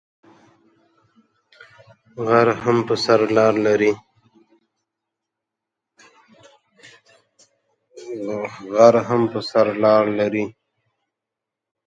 غر هم پر سر لار لری